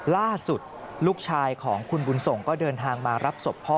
ล่าสุดลูกชายของคุณบุญส่งก็เดินทางมารับศพพ่อ